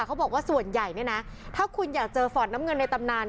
เขาบอกว่าส่วนใหญ่ถ้าคุณอยากเจอฝอดน้ำเงินในตำนาน